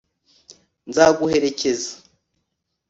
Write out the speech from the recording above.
nzaguherekeza